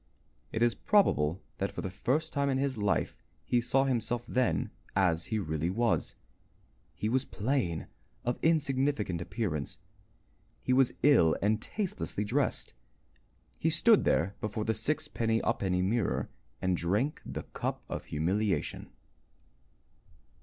It is probable that for the first time in his life he saw himself then as he really was. He was plain, of insignificant appearance, he was ill and tastelessly dressed. He stood there before the sixpenny ha'penny mirror and drank the cup of humiliation.